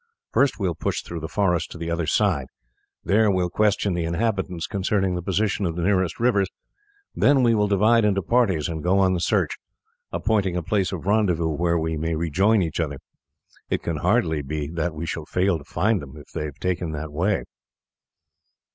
First we will push through the forest to the other side; there we will question the inhabitants concerning the position of the nearest rivers; then we will divide into parties and go on the search, appointing a place of rendezvous where we may rejoin each other. It can hardly be that we shall fail to find them if they have taken that way."